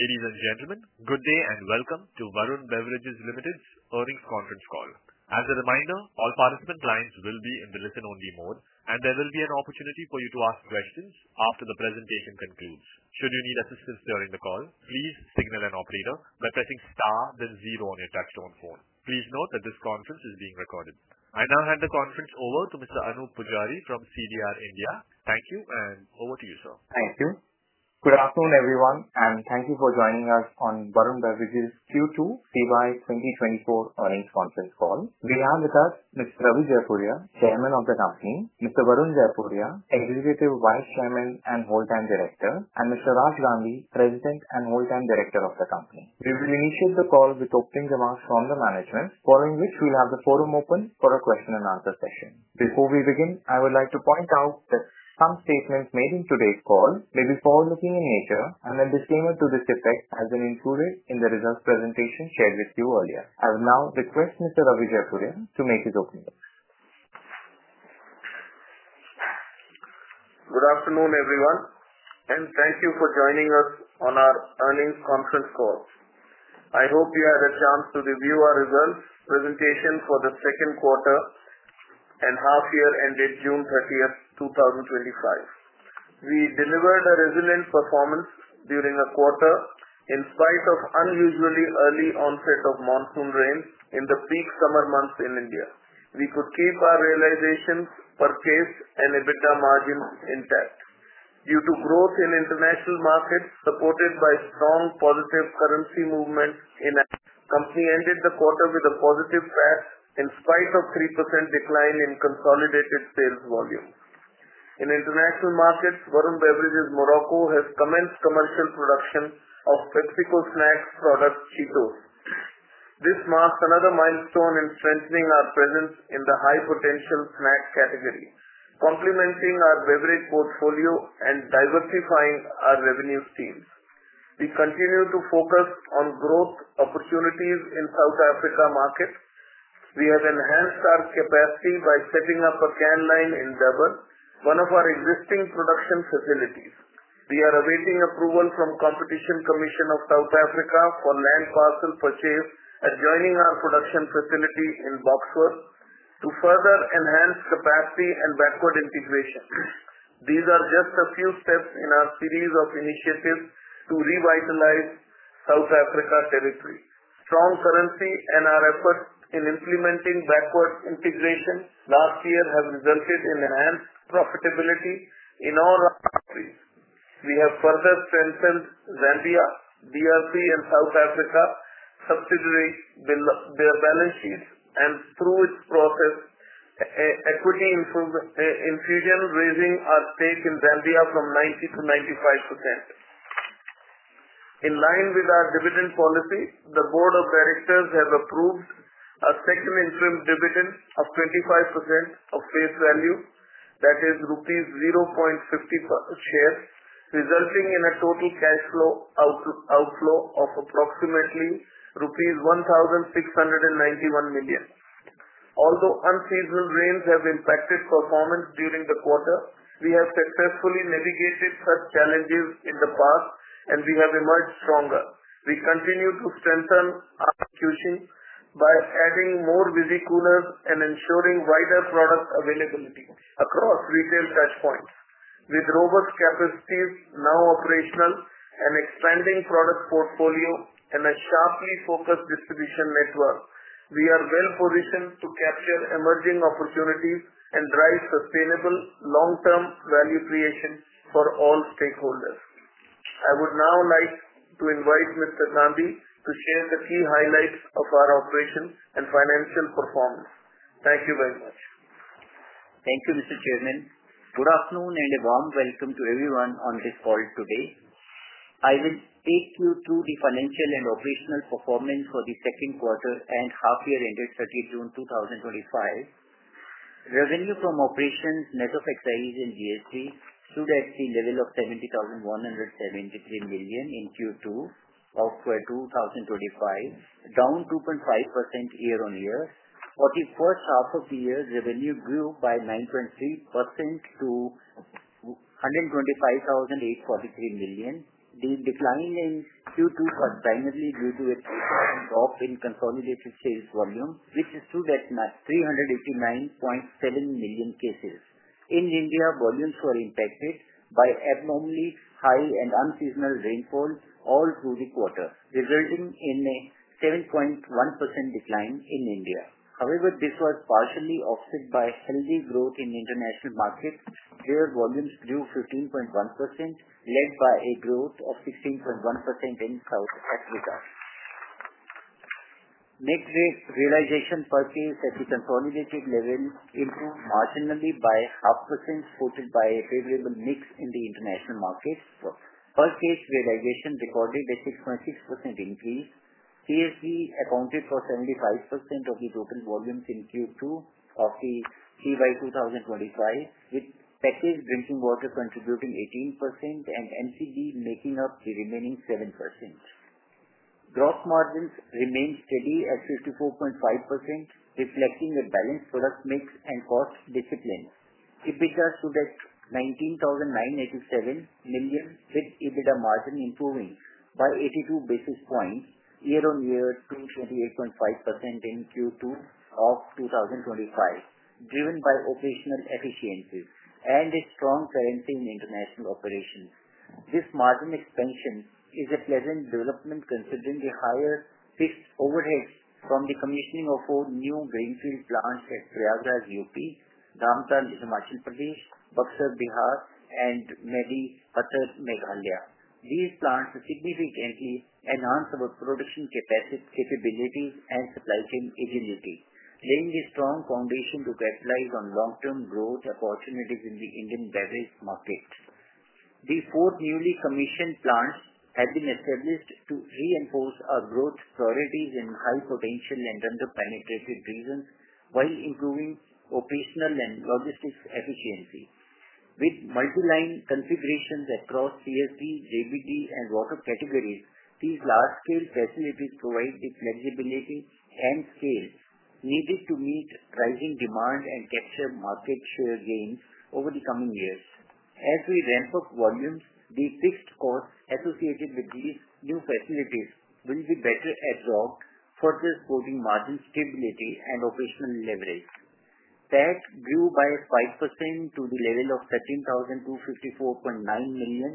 Ladies and gentlemen, good day and welcome to Varun Beverages Limited's earnings conference call. As a reminder, all participant lines will be in the listen-only mode, and there will be an opportunity for you to ask questions after the presentation concludes. Should you need assistance during the call, please signal an operator by pressing star, then zero on your touch-tone phone. Please note that this conference is being recorded. I now hand the conference over to Mr. Anoop Poojari from CDR India. Thank you, and over to you, sir. Thank you. Good afternoon, everyone, and thank you for joining us on Varun Beverages Q2 CY 2024 earnings conference call. We have with us Mr. Ravi Jaipuria, Chairman of the company, Mr. Varun Jaipuria, Executive Vice Chairman and Whole Time Director, and Mr. Raj Gandhi, President and Whole Time Director of the company. We will initiate the call with opening remarks from the management, following which we'll have the forum open for a question-and-answer session. Before we begin, I would like to point out that some statements made in today's call may be forward-looking in nature, and a disclaimer to this effect has been included in the results presentation shared with you earlier. I will now request Mr. Ravi Jaipuria to make his opening remarks. Good afternoon, everyone, and thank you for joining us on our earnings conference call. I hope you had a chance to review our results presentation for the second quarter and half-year ended June 30th, 2025. We delivered a resilient performance during a quarter in spite of unusually early onset of monsoon rains in the peak summer months in India. We could keep our realizations per case and EBITDA margins intact due to growth in international markets supported by strong positive currency movement. Company ended the quarter with a positive PAT in-spite of a 3% decline in consolidated sales volume. In international markets, Varun Beverages Morocco has commenced commercial production of PepsiCo snack product Cheetos. This marks another milestone in strengthening our presence in the high-potential snack category, complementing our beverage portfolio and diversifying our revenue streams. We continue to focus on growth opportunities in the South Africa market. We have enhanced our capacity by setting up a can line in Dabar, one of our existing production facilities. We are awaiting approval from the Competition Commission of South Africa for land parcel purchase adjoining our production facility in Boksburg to further enhance capacity and backward integration. These are just a few steps in our series of initiatives to revitalize South Africa territory. Strong currency and our efforts in implementing backward integration last year have resulted in enhanced profitability in all our countries. We have further strengthened Zambia, DRC, and South Africa subsidiary balance sheets, and through this process, equity infusion raising our stake in Zambia from 90% to 95%. In line with our dividend policy, the Board of Directors has approved a second interim dividend of 25% of face value, that is, rupees 0.50 per share, resulting in a total cash flow outflow of approximately rupees 1,691 million. Although unseasonal rains have impacted performance during the quarter, we have successfully navigated such challenges in the past, and we have emerged stronger. We continue to strengthen our infusion by adding more visi-coolers and ensuring wider product availability across retail touchpoints. With robust capacities now operational, an expanding product portfolio, and a sharply focused distribution network, we are well-positioned to capture emerging opportunities and drive sustainable long-term value creation for all stakeholders. I would now like to invite Mr. Gandhi to share the key highlights of our operations and financial performance. Thank you very much. Thank you, M2r. Chairman. Good afternoon and a warm welcome to everyone on this call today. I will take you through the financial and operational performance for the second quarter and half-year ended 30th June 2025. Revenue from operations, net of excise and GST, stood at the level of 70,173 million in Q2 of 2025, down 2.5% year-on-year. For the first half of the year, revenue grew by 9.3% to 125,843 million. The decline in Q2 was primarily due to a drop in consolidated sales volume, which stood at 389.7 million cases. In India, volumes were impacted by abnormally high and unseasonal rainfall all through the quarter, resulting in a 7.1% decline in India. However, this was partially offset by healthy growth in international markets, where volumes grew 15.1%, led by a growth of 16.1% in South Africa. Net realization per case at the consolidated level improved marginally by 0.5%, supported by a favorable mix in the international markets per case realization recorded a 6.6% increase. CSD accounted for 75% of the total volumes in Q2 of the CY 2025, with packaged drinking water contributing 18% and MCD making up the remaining 7%. Gross margins remained steady at 54.5%, reflecting a balanced product mix and cost discipline. EBITDA stood at 19,987 million, with EBITDA margin improving by 82 basis points year-on-year to 28.5% in Q2 of 2025, driven by operational efficiencies and a strong currency in international operations. This margin expansion is a pleasant development considering the higher fixed overheads from the commissioning of four new grain field plants at Prayagraj UP, Damtal Himachal Pradesh, Buxar Bihar, and Mendipathar Meghalaya. These plants significantly enhance our production capabilities and supply chain agility, laying a strong foundation to capitalize on long-term growth opportunities in the Indian beverage market. The four newly commissioned plants have been established to reinforce our growth priorities in high-potential and under-penetrated regions while improving operational and logistics efficiency. With multi-line configurations across CSD, JBD, and water categories, these large-scale facilities provide the flexibility and scale needed to meet rising demand and capture market share gains over the coming years. As we ramp up volumes, the fixed costs associated with these new facilities will be better absorbed, further supporting margin stability and operational leverage. PAT grew by 5% to the level of 13,254.9 million,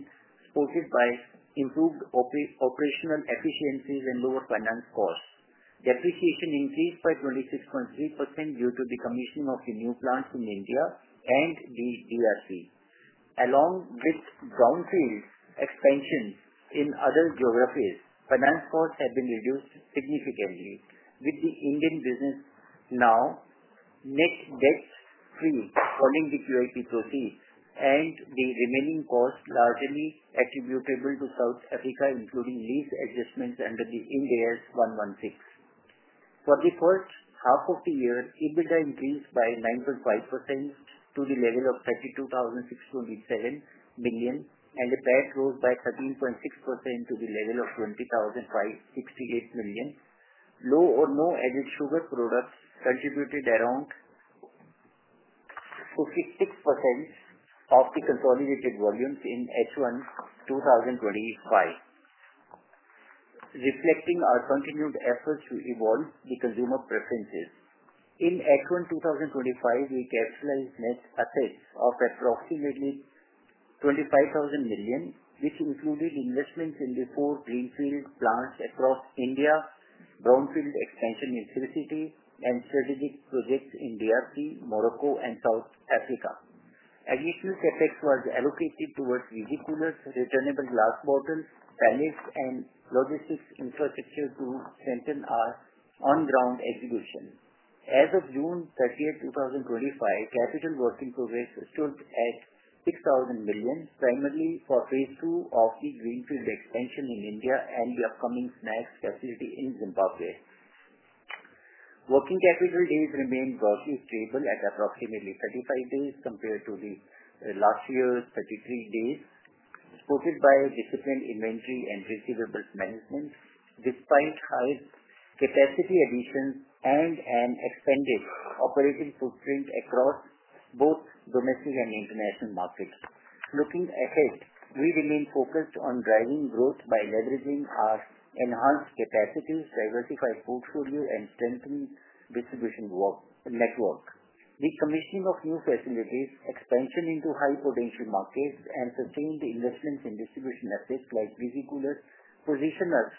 supported by improved operational efficiencies and lower finance costs. Depreciation increased by 26.3% due to the commissioning of the new plants in India and the DRC. Along with Brownfield expansions in other geographies, finance costs have been reduced significantly, with the Indian business now net debt-free following the QIP proceeds, and the remaining costs largely attributable to South Africa, including lease adjustments under Ind AS 116. For the first half of the year, EBITDA increased by 9.5% to the level of 32,627 million, and PAT rose by 13.6% to the level of 20,568 million. Low or no added sugar products contributed around 56% of the consolidated volumes in H1 2025, reflecting our continued efforts to evolve the consumer preferences. In H1 2025, we capitalized net assets of approximately 25,000 million, which included investments in the four Greenfield plants across India, brownfield expansion in Sri Sriti, and strategic projects in DRC, Morocco, and South Africa. Additional CAPEX was allocated towards visi-coolers, returnable glass bottles, pallets, and logistics infrastructure to strengthen our on-ground execution. As of June 30th, 2025, capital work in progress stood at 6,000 million, primarily for phase II of the Greenfield expansion in India and the upcoming snacks facility in Zimbabwe. Working capital days remained roughly stable at approximately 35 days compared to last year's 33 days, supported by disciplined inventory and receivables management, despite high-capacity additions and an expanded operating footprint across both domestic and international markets. Looking ahead, we remain focused on driving growth by leveraging our enhanced capacities, diversified portfolio, and strengthened distribution network. The commissioning of new facilities, expansion into high-potential markets, and sustained investments in distribution assets like visi-coolers position us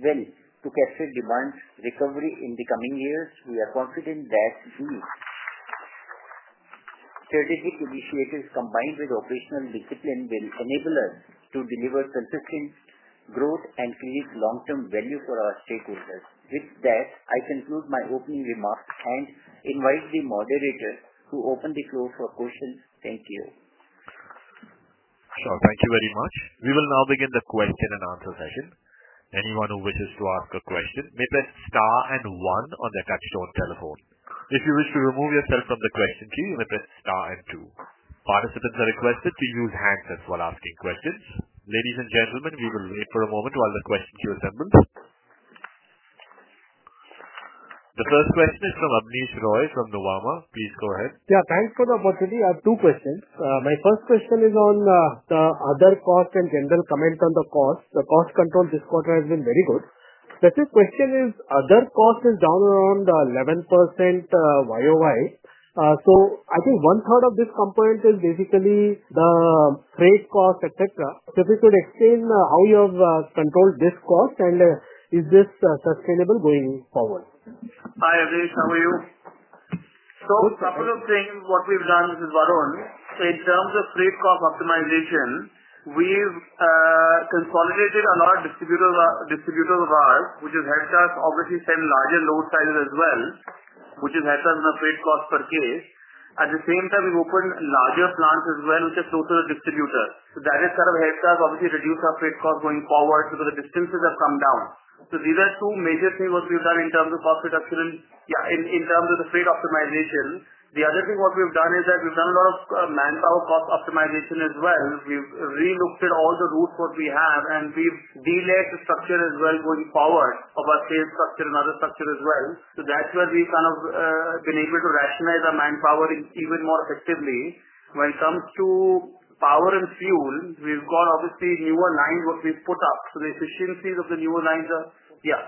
well to capture demand recovery in the coming years. We are confident that these strategic initiatives combined with operational discipline will enable us to deliver consistent growth and create long-term value for our stakeholders. With that, I conclude my opening remarks and invite the moderator to open the floor for questions. Thank you. Sure. Thank you very much. We will now begin the question-and-answer session. Anyone who wishes to ask a question may press star and one on their touch-tone telephone. If you wish to remove yourself from the question queue, you may press star and two. Participants are requested to use handsets while asking questions. Ladies and gentlemen, we will wait for a moment while the question queue assembles. The first question is from Abneesh Roy from Nuvama. Please go ahead. Yeah. Thanks for the opportunity. I have two questions. My first question is on the other cost and general comment on the cost. The cost control this quarter has been very good. The second question is, other cost is down around 11% YoY. I think 1/3 of this component is basically the freight cost, etc. If you could explain how you have controlled this cost and is this sustainable going forward. Hi, Abneesh. How are you? A couple of things what we've done, Mrs. Varun, in terms of freight cost optimization, we've consolidated a lot of distributors of ours, which has helped us, obviously, send larger load sizes as well, which has helped us in our freight cost per case. At the same time, we've opened larger plants as well, which are closer to distributors. That has kind of helped us, obviously, reduce our freight cost going forward because the distances have come down. These are two major things what we've done in terms of cost reduction and, yeah, in terms of the freight optimization. The other thing what we've done is that we've done a lot of manpower cost optimization as well. We've re-looked at all the routes what we have, and we've delayed the structure as well going forward of our sales structure and other structure as well. That's where we've kind of been able to rationalize our manpower even more effectively. When it comes to power and fuel, we've got, obviously, newer lines what we've put up. The efficiencies of the newer lines are, yeah.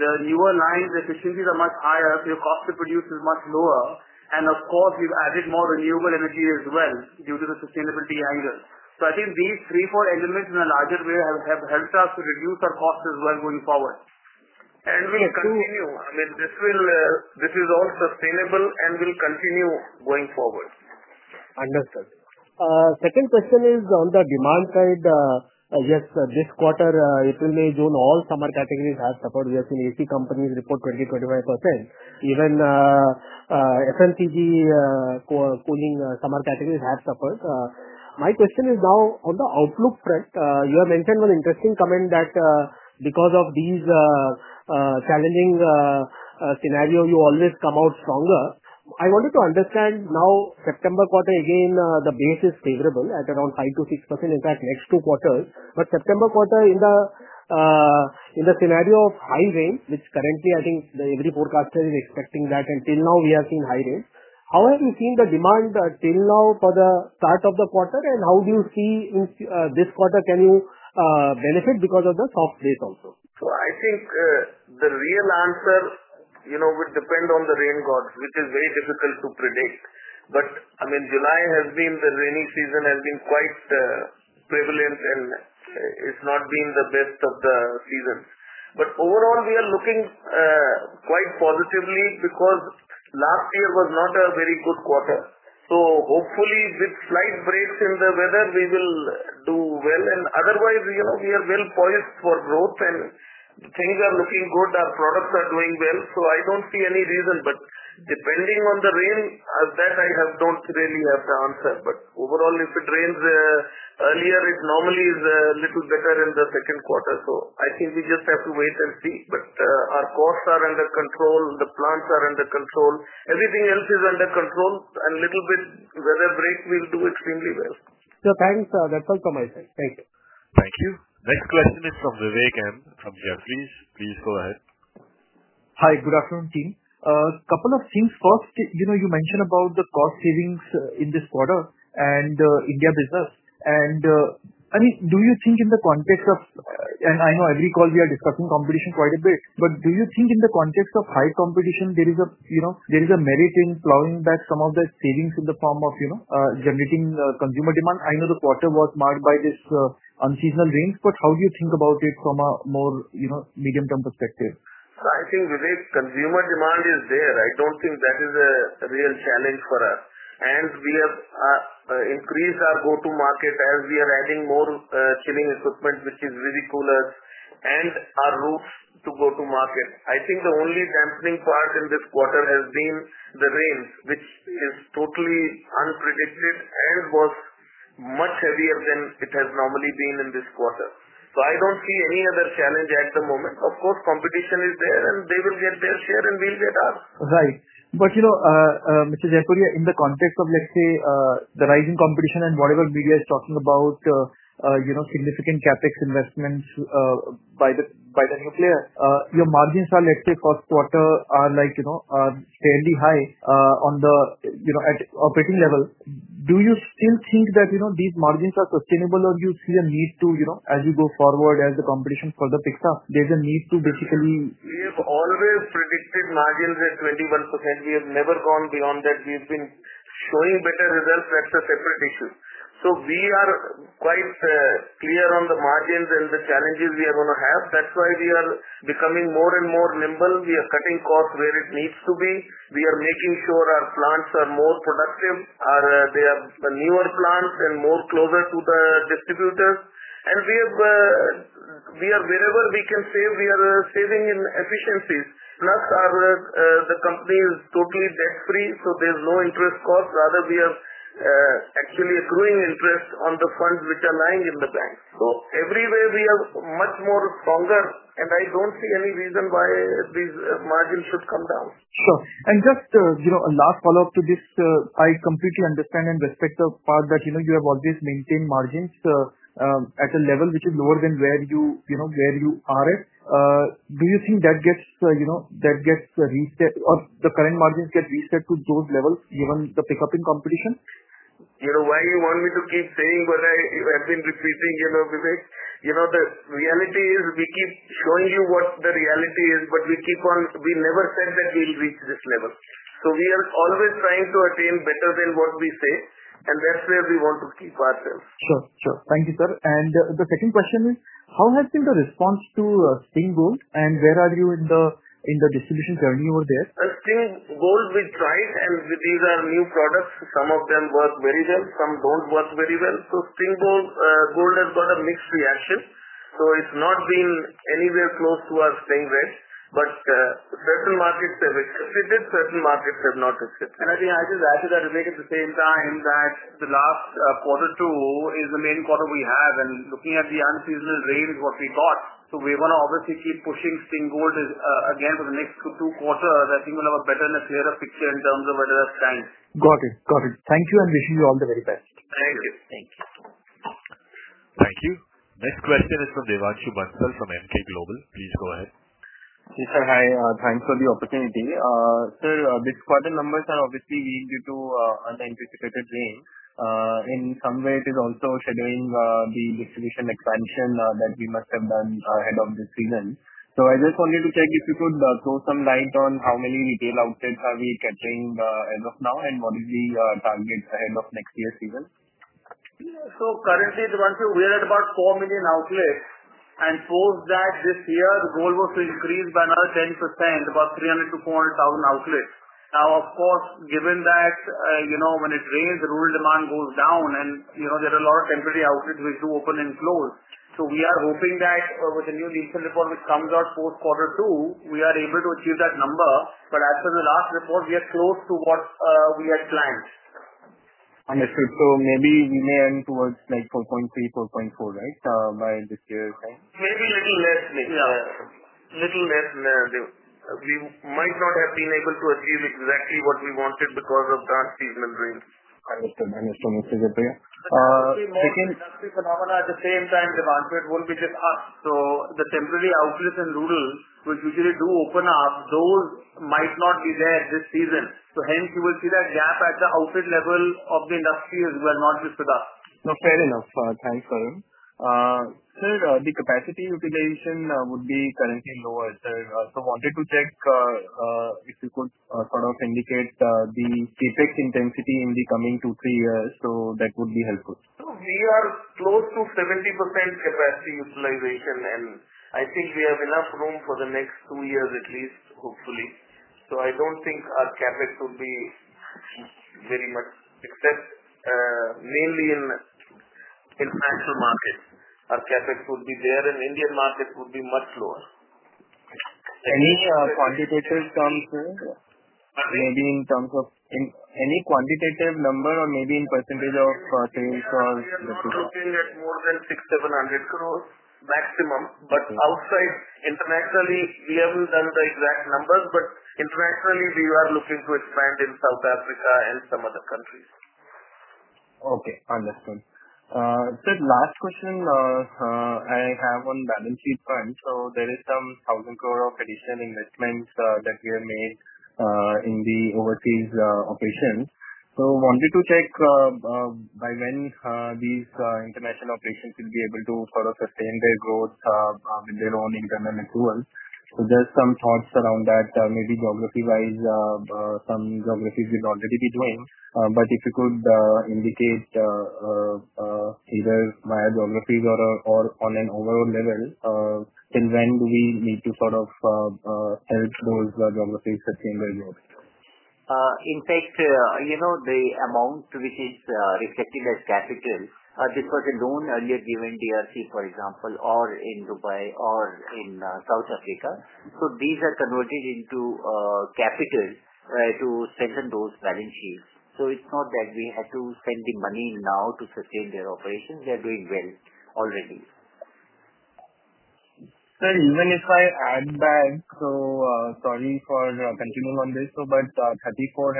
The newer lines, the efficiencies are much higher. Your cost to produce is much lower. Of course, we've added more renewable energy as well due to the sustainability angle. I think these three, four elements in a larger way have helped us to reduce our cost as well going forward. We'll continue. I mean, And this is all sustainable and will continue going forward. Understood. Second question is on the demand side. Yes, this quarter, April, May, June, all summer categories have suffered. We have seen AC companies report 20%, 25%. Even FMCG cooling summer categories have suffered. My question is now on the outlook front. You have mentioned one interesting comment that because of these challenging scenarios, you always come out stronger. I wanted to understand now September quarter, again, the base is favorable at around 5%-6%. In fact, next two quarters. But September quarter, in the scenario of high rain, which currently, I think every forecaster is expecting that, until now, we have seen high rain. How have you seen the demand till now for the start of the quarter? And how do you see this quarter? Can you benefit because of the soft place also? I think the real answer would depend on the rain gods, which is very difficult to predict. I mean, July has been, the rainy season has been quite prevalent, and it's not been the best of the seasons. Overall, we are looking quite positively because last year was not a very good quarter. Hopefully, with slight breaks in the weather, we will do well. Otherwise, we are well poised for growth, and things are looking good. Our products are doing well. I don't see any reason, but depending on the rain as that, I don't really have the answer. Overall, if it rains earlier, it normally is a little better in the second quarter. I think we just have to wait and see. Our costs are under control. The plants are under control. Everything else is under control. A little bit weather break, we'll do extremely well. Sure. Thanks. That's all from my side. Thank you. Thank you. Next question is from Vivek M. from Jefferies. Please go ahead. Hi. Good afternoon, team. A couple of things. First, you mentioned about the cost savings in this quarter and India business. I mean, do you think in the context of—and I know every call we are discussing competition quite a bit—you think in the context of high competition, there is a merit in plowing back some of the savings in the form of generating consumer demand? I know the quarter was marked by this unseasonal rains, but how do you think about it from a more medium-term perspective? I think, Vivek, consumer demand is there. I do not think that is a real challenge for us. We have increased our go-to market as we are adding more chilling equipment, which is visi coolers, and our routes to go-to market. I think the only dampening part in this quarter has been the rains, which is totally unpredicted and was much heavier than it has normally been in this quarter. I do not see any other challenge at the moment. Of course, competition is there, and they will get their share, and we will get ours. Right. But you know, Mr. Jaipuria, in the context of, let's say, the rising competition and whatever media is talking about, significant CAPEX investments by the new player, your margins are, let's say, first quarter are fairly high on the operating level. Do you still think that these margins are sustainable, or do you see a need to, as you go forward, as the competition further picks up, there's a need to basically? We have always predicted margins at 21%. We have never gone beyond that. We have been showing better results. That is a separate issue. We are quite clear on the margins and the challenges we are going to have. That is why we are becoming more and more nimble. We are cutting costs where it needs to be. We are making sure our plants are more productive. They are newer plants and more closer to the distributors. Wherever we can save, we are saving in efficiencies. Plus, the company is totally debt-free, so there is no interest cost. Rather, we are actually accruing interest on the funds which are lying in the bank. Everywhere, we are much more stronger, and I do not see any reason why these margins should come down. Sure. Just a last follow-up to this. I completely understand and respect the part that you have always maintained margins at a level which is lower than where you are at. Do you think that gets reached or the current margins get reset to those levels given the pickup in competition? Why you want me to keep saying what I have been repeating, Vivek? The reality is we keep showing you what the reality is, but we never said that we'll reach this level. We are always trying to attain better than what we say, and that's where we want to keep ourselves. Sure. Sure. Thank you, sir. The second question is, how has been the response to Sting Gold, and where are you in the distribution journey over there? Sting Gold, we tried, and these are new products. Some of them work very well. Some do not work very well. Sting Gold has got a mixed reaction. It has not been anywhere close to our Sting Red. Certain markets have accepted it. Certain markets have not accepted it. I think I should add to that, Vivek, at the same time, that the last quarter two is the main quarter we have. Looking at the unseasonal rains, what we got, we are going to obviously keep pushing Sting Gold again for the next two quarters. I think we will have a better and a clearer picture in terms of whether that is time. Got it. Got it. Thank you, and wishing you all the very best. Thank you. Thank you. Thank you. Next question is from Devanshu Bansal from MK Global. Please go ahead. Yes, sir. Hi. Thanks for the opportunity. Sir, this quarter numbers are obviously weak due to unanticipated rain. In some way, it is also shadowing the distribution expansion that we must have done ahead of this season. I just wanted to check if you could throw some light on how many retail outlets are we catching as of now, and what is the target ahead of next year's season? Currently, Devanshu, we are at about 4 million outlets. Post that, this year, the goal was to increase by another 10%, about 300,000-400,000 outlets. Now, of course, given that when it rains, rural demand goes down, and there are a lot of temporary outlets which do open and close. We are hoping that with the new lease report, which comes out post quarter two, we are able to achieve that number. As per the last report, we are close to what we had planned. Understood. Maybe we may end towards like 4.3-4.4, right, by this year's end? Maybe a little less, maybe. Yeah. A little less. We might not have been able to achieve exactly what we wanted because of the unseasonal rains. Understood. Understood. Mr. Jaipuria. The second. Industry phenomena, at the same time, Devanshu, it won't be just us. The temporary outlets in rural, which usually do open up, those might not be there this season. Hence, you will see that gap at the outlet level of the industry as well, not just with us. Fair enough. Thanks, Varun. Sir, the capacity utilization would be currently lower, sir. I wanted to check if you could sort of indicate the CAPEX intensity in the coming two, three years. That would be helpful. We are close to 70% capacity utilization, and I think we have enough room for the next two years at least, hopefully. I do not think our CAPEX would be very much, except mainly in international markets, our CAPEX would be there, and Indian markets would be much lower. Any quantitative terms, sir? Maybe in terms of any quantitative number or maybe in % of sales or? I'm looking at more than 600-700 crore maximum. Outside, internationally, we haven't done the exact numbers, but internationally, we are looking to expand in South Africa and some other countries. Okay. Understood. Sir, last question. I have on balance sheet funds. There is some 1,000 crore of additional investments that we have made in the overseas operations. I wanted to check by when these international operations will be able to sort of sustain their growth with their own internal approval. There are some thoughts around that. Maybe geography-wise, some geographies will already be doing. If you could indicate either via geographies or on an overall level, till when do we need to sort of help those geographies sustain their growth? In fact, the amount which is reflected as capital, this was a loan earlier given DRC, for example, or in Dubai or in South Africa. These are converted into capital to strengthen those balance sheets. It is not that we had to send the money now to sustain their operations. They are doing well already. Sir, even if I add back, so sorry for continuing on this, but 3,400 crore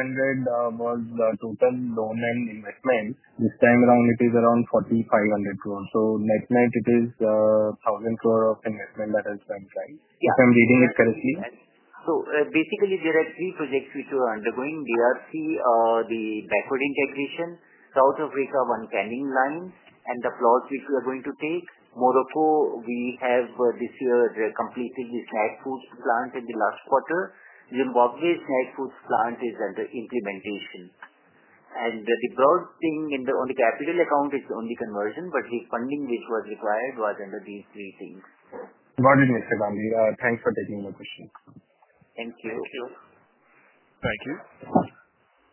was the total loan and investment. This time around, it is around 4,500 crore. So, net-net, it is a 1,000 crore investment that has been planned, if I'm reading it correctly. Basically, there are three projects which we are undergoing: DRC, the backward integration, South Africa one-canning line, and the plots which we are going to take. Morocco, we have this year completed the snack foods plant in the last quarter. Zimbabwe, snack foods plant is under implementation. The broad thing on the capital account is only conversion, but the funding which was required was under these three things. Got it, Mr. Gandhi. Thanks for taking my question. Thank you. Thank you. Thank you.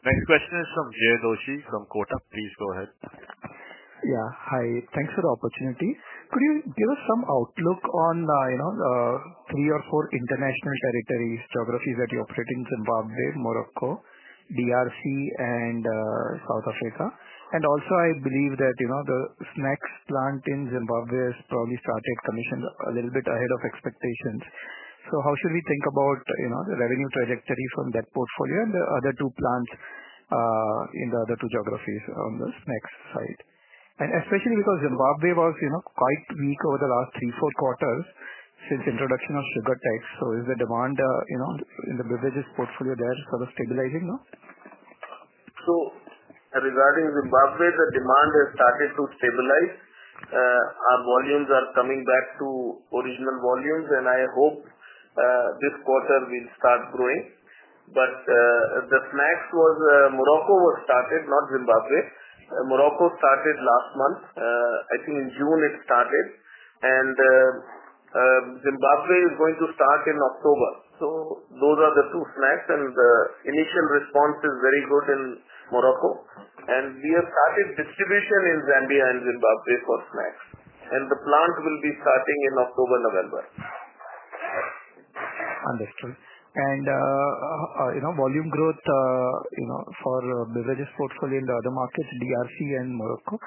Next question is from Jay Doshi from Kotak. Please go ahead. Yeah. Hi. Thanks for the opportunity. Could you give us some outlook on three or four international territories, geographies that you operate in: Zimbabwe, Morocco, DRC, and South Africa? Also, I believe that the snacks plant in Zimbabwe has probably started commission a little bit ahead of expectations. How should we think about the revenue trajectory from that portfolio and the other two plants in the other two geographies on the snacks side? Especially because Zimbabwe was quite weak over the last three, four quarters since the introduction of sugar tax, is the demand in the beverages portfolio there sort of stabilizing now? Regarding Zimbabwe, the demand has started to stabilize. Our volumes are coming back to original volumes, and I hope this quarter will start growing. The snacks was Morocco was started, not Zimbabwe. Morocco started last month. I think in June, it started. Zimbabwe is going to start in October. Those are the two snacks, and the initial response is very good in Morocco. We have started distribution in Zambia and Zimbabwe for snacks. The plant will be starting in October-November. Understood. Volume growth for beverages portfolio in the other markets, DRC and Morocco,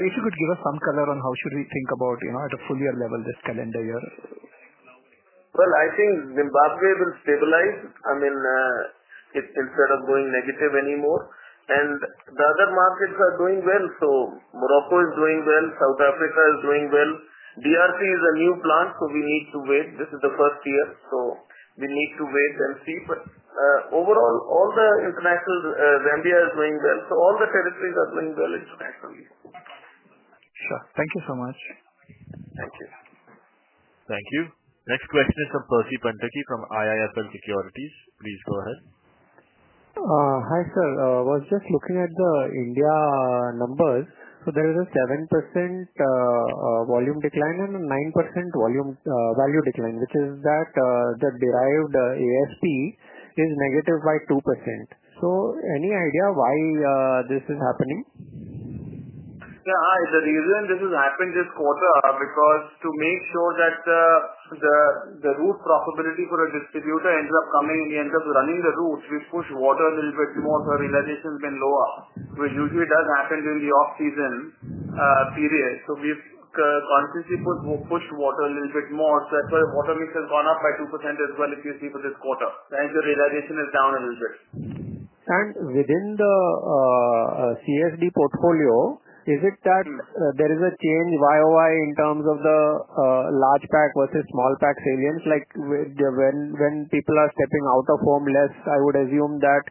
if you could give us some color on how should we think about at a fuller level this calendar year? I think Zimbabwe will stabilize. I mean, it's instead of going negative anymore. The other markets are doing well. Morocco is doing well. South Africa is doing well. DRC is a new plant, so we need to wait. This is the first year. We need to wait and see. Overall, all the international Zambia is doing well. All the territories are doing well internationally. Sure. Thank you so much. Thank you. Thank you. Next question is from Percy Panthaki from IIFL Securities. Please go ahead. Hi, sir. I was just looking at the India numbers. There is a 7% volume decline and a 9% value decline, which is that the derived ASP is negative by 2%. Any idea why this is happening? Yeah. The reason this has happened this quarter is because to make sure that the route profitability for a distributor ends up coming in the end of running the route, we push water a little bit more. Realization has been lower, which usually does happen during the off-season period. We have consistently pushed water a little bit more. That is why the water mix has gone up by 2% as well, if you see, for this quarter. The realization is down a little bit. Within the CSD portfolio, is it that there is a change year on year in terms of the large pack versus small pack salience? When people are stepping out of home less, I would assume that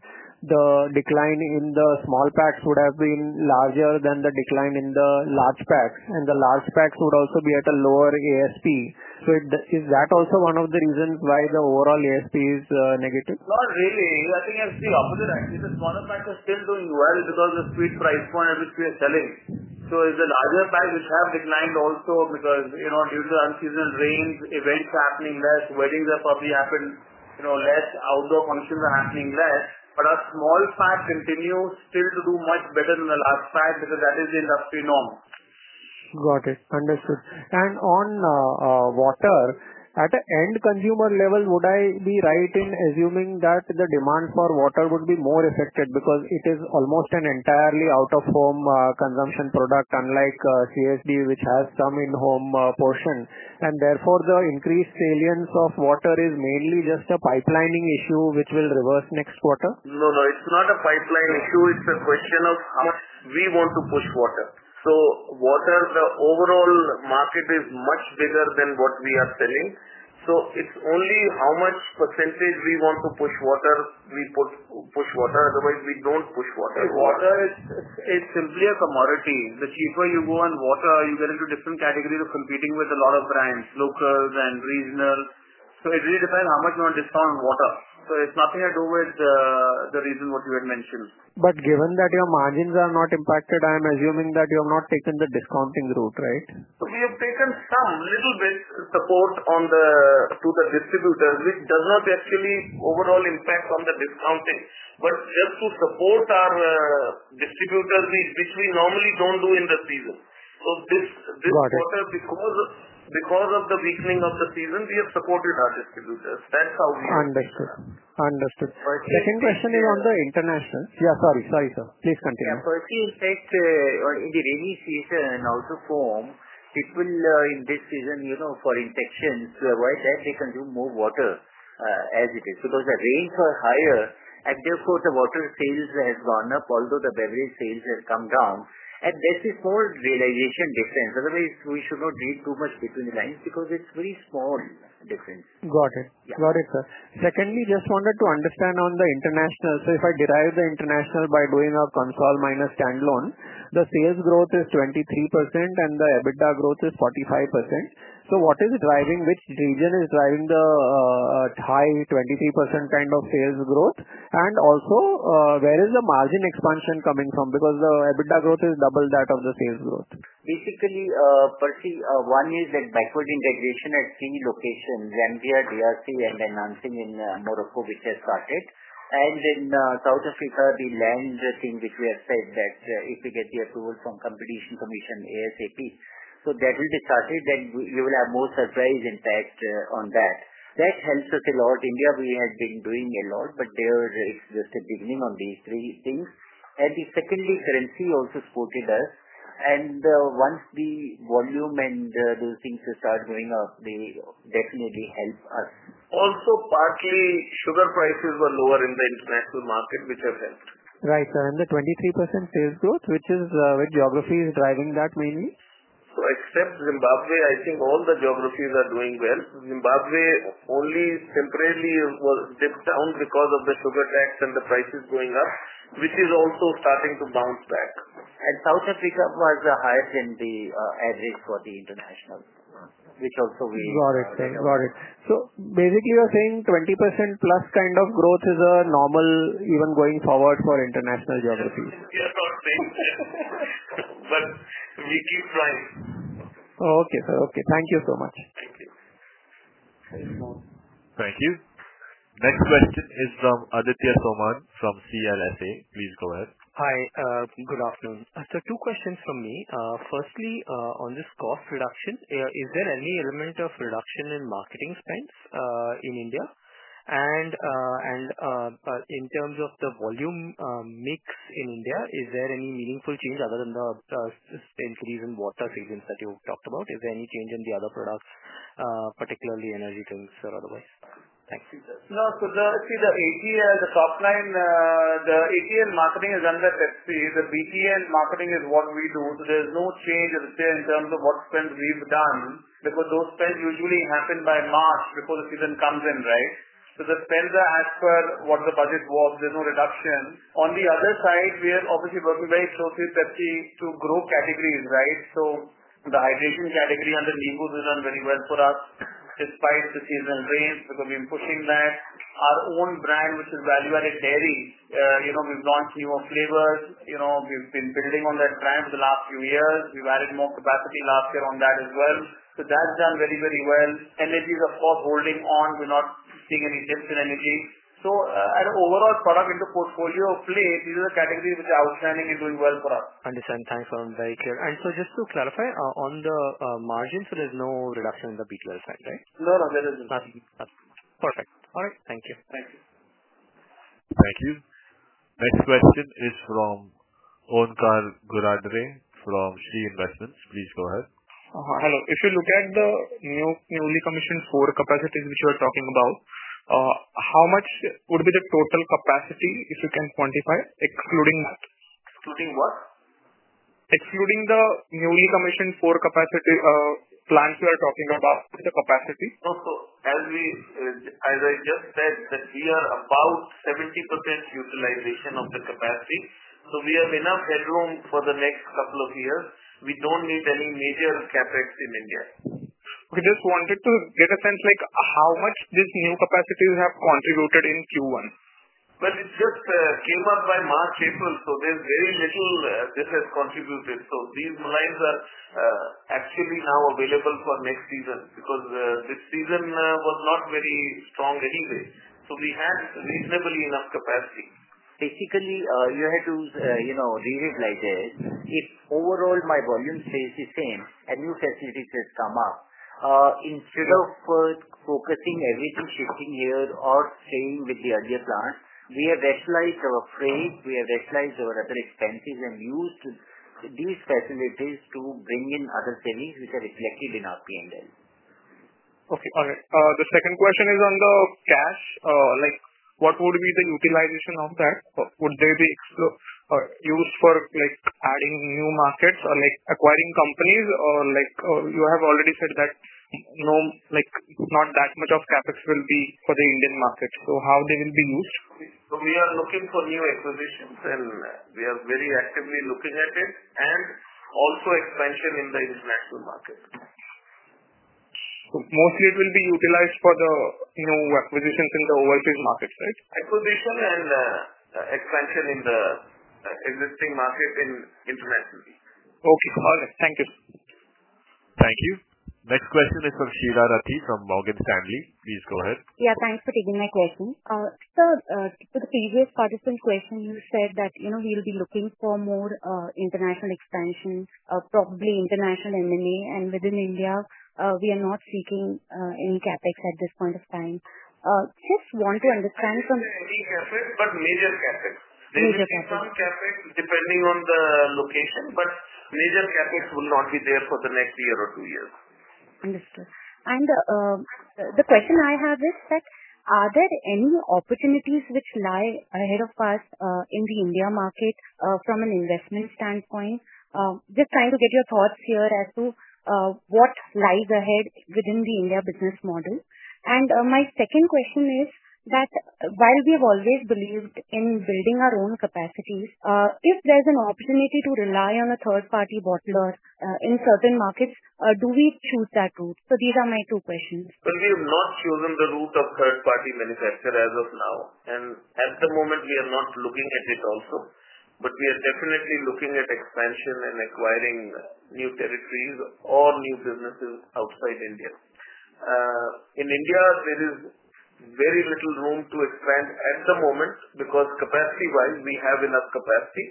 the decline in the small packs would have been larger than the decline in the large packs. The large packs would also be at a lower ASP. Is that also one of the reasons why the overall ASP is negative? Not really. I think it's the opposite, actually. The smaller packs are still doing well because of the sweet price point at which we are selling. The larger packs have declined also because due to the unseasonal rains, events happening less, weddings have probably happened less, outdoor functions are happening less. Our small pack continues still to do much better than the large pack because that is the industry norm. Got it. Understood. On water, at an end consumer level, would I be right in assuming that the demand for water would be more affected because it is almost an entirely out-of-home consumption product, unlike CSD, which has some in-home portion? Therefore, the increased salience of water is mainly just a pipelining issue which will reverse next quarter? No, no. It's not a pipeline issue. It's a question of how much we want to push water. The overall market is much bigger than what we are selling. It's only how much % we want to push water. We push water. Otherwise, we don't push water. It's simply a commodity. The cheaper you go on water, you get into different categories of competing with a lot of brands, locals and regional. It really depends how much you want to discount on water. It's nothing to do with the reason what you had mentioned. Given that your margins are not impacted, I am assuming that you have not taken the discounting route, right? We have taken some little bit support to the distributors, which does not actually overall impact on the discounting. Just to support our distributors, which we normally do not do in the season. This quarter, because of the weakening of the season, we have supported our distributors. That is how we have done. Understood. Understood. Second question is on the international. Yeah. Sorry. Sorry, sir. Please continue. Yeah. If you take in the rainy season, out of home, people in this season, for infections, to avoid that, they consume more water as it is. Because the rains are higher, and therefore the water sales have gone up, although the beverage sales have come down. There is a small realization difference. Otherwise, we should not read too much between the lines because it is a very small difference. Got it. Got it, sir. Secondly, just wanted to understand on the international. If I derive the international by doing a console minus standalone, the sales growth is 23%, and the EBITDA growth is 45%. What is driving, which region is driving the high 23% kind of sales growth? Also, where is the margin expansion coming from? Because the EBITDA growth is double that of the sales growth. Basically, Percy, one is that backward integration at three locations: Zambia, DRC, and then Nansing in Morocco, which has started. In South Africa, the land thing which we have said that if we get the approval from competition commission, ASAP, that will be started. You will have more surprise impact on that. That helps us a lot. India, we had been doing a lot, but there it's just the beginning on these three things. Secondly, currency also supported us. Once the volume and those things start going up, they definitely help us. Also, partly, sugar prices were lower in the international market, which have helped. Right. So in the 23% sales growth, which geography is driving that mainly? Except Zimbabwe, I think all the geographies are doing well. Zimbabwe only temporarily dipped down because of the sugar tax and the prices going up, which is also starting to bounce back. South Africa was higher than the average for the international, which also we. Got it. Got it. So basically, you're saying 20% plus kind of growth is normal even going forward for international geographies? We are not saying that. We keep trying. Okay, sir. Okay. Thank you so much. Thank you. Thank you. Next question is from Aditya Soman from CLSA. Please go ahead. Hi. Good afternoon. Two questions from me. Firstly, on this cost reduction, is there any element of reduction in marketing spends in India? In terms of the volume mix in India, is there any meaningful change other than the sales increase in water salience that you talked about? Is there any change in the other products, particularly energy drinks or otherwise? Thanks. No. See the ATL, the top line, the ATL marketing is under Pepsi. The BTL marketing is what we do. There is no change in terms of what spends we have done because those spends usually happen by March before the season comes in, right? The spends are as per what the budget was. There is no reduction. On the other side, we are obviously working very closely with Pepsi to grow categories, right? The hydration category under Nimbooz has done very well for us despite the seasonal rains because we have been pushing that. Our own brand, which is Value Added Dairy, we have launched newer flavors. We have been building on that trend for the last few years. We have added more capacity last year on that as well. That has done very, very well. Energy is, of course, holding on. We are not seeing any dips in energy. At an overall product into portfolio plate, these are the categories which are outstanding and doing well for us. Understand. Thanks for being very clear. Just to clarify, on the margins, there's no reduction in the BTL side, right? No, no. There isn't. Perfect. All right. Thank you. Thank you. Thank you. Next question is from Onkar Guradre from Sri Investments. Please go ahead. Hello. If you look at the newly commissioned four capacities which you are talking about, how much would be the total capacity if you can quantify, excluding that? Excluding what? Excluding the newly commissioned four capacity plants we are talking about, the capacity. Also, as I just said, we are about 70% utilization of the capacity. We have enough headroom for the next couple of years. We do not need any major CAPEX in India. We just wanted to get a sense how much these new capacities have contributed in Q1. It just came up by March, April. So there's very little this has contributed. These lines are actually now available for next season because this season was not very strong anyway. We had reasonably enough capacity. Basically, you had to read it like this. If overall my volume stays the same and new facilities have come up. Instead of focusing everything shifting here or staying with the earlier plant, we have rationalized our freight. We have rationalized our other expenses and used these facilities to bring in other savings which are reflected in our P&L. Okay. All right. The second question is on the cash. What would be the utilization of that? Would they be used for adding new markets or acquiring companies? Or you have already said that not that much of CAPEX will be for the Indian market. How will they be used? We are looking for new acquisitions, and we are very actively looking at it. We are also looking at expansion in the international market. Mostly it will be utilized for the new acquisitions in the overseas markets, right? Acquisition and expansion in the existing markets internationally. Okay. All right. Thank you. Thank you. Next question is from Sheela Rathi from Morgan Stanley. Please go ahead. Yeah. Thanks for taking my question. Sir, to the previous participant question, you said that we will be looking for more international expansion, probably international M&A, and within India, we are not seeking any CAPEX at this point of time. Just want to understand from. Major CAPEX, but major CAPEX There is some CAPEX depending on the location, but major CAPEX will not be there for the next year or two years. Understood. The question I have is that, are there any opportunities which lie ahead of us in the India market from an investment standpoint? Just trying to get your thoughts here as to what lies ahead within the India business model. My second question is that while we have always believed in building our own capacities, if there's an opportunity to rely on a third-party bottler in certain markets, do we choose that route? These are my two questions. We have not chosen the route of third-party manufacturer as of now. At the moment, we are not looking at it also. We are definitely looking at expansion and acquiring new territories or new businesses outside India. In India, there is very little room to expand at the moment because capacity-wise, we have enough capacity,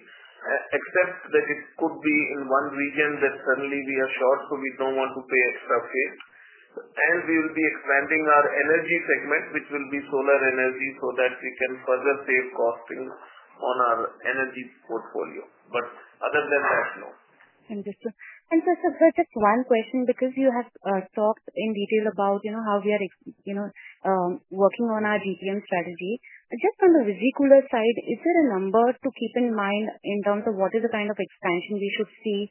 except that it could be in one region that suddenly we are short, so we do not want to pay extra fare. We will be expanding our energy segment, which will be solar energy, so that we can further save costing on our energy portfolio. Other than that, no. Understood. Sir, just one question because you have talked in detail about how we are working on our GTM strategy. Just on the visi-cooler side, is there a number to keep in mind in terms of what is the kind of expansion we should see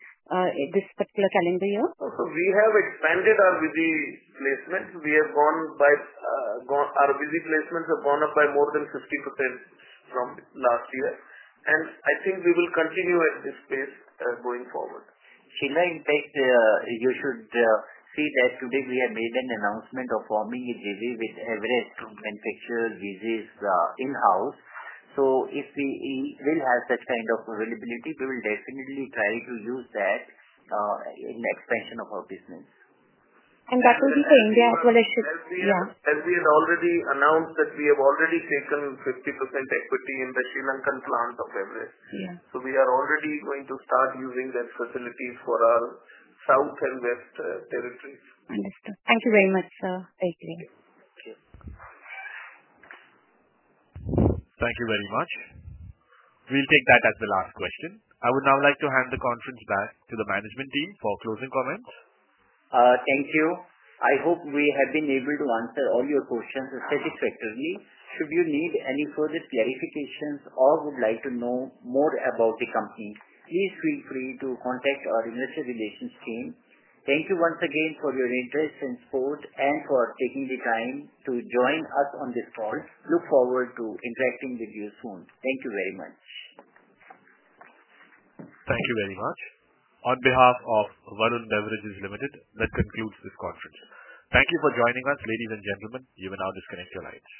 this particular calendar year? We have expanded our Visi placements. Our Visi placements have gone up by more than 50% from last year. I think we will continue at this pace going forward. Sheela, you should see that today we have made an announcement of forming a JV with Everest Manufacturer Visi in-house. If we will have that kind of availability, we will definitely try to use that in the expansion of our business. That will be for India as well, I should, yeah. As we had already announced that we have already taken 50% equity in the Sri Lankan plant of Everest. We are already going to start using that facility for our south and west territories. Understood. Thank you very much, sir. Thank you. Thank you very much. We'll take that as the last question. I would now like to hand the conference back to the management team for closing comments. Thank you. I hope we have been able to answer all your questions satisfactorily. Should you need any further clarifications or would like to know more about the company, please feel free to contact our investor relations team. Thank you once again for your interest and support and for taking the time to join us on this call. Look forward to interacting with you soon. Thank you very much. Thank you very much. On behalf of Varun Beverages Limited, that concludes this conference. Thank you for joining us, ladies and gentlemen. You may now disconnect your lines.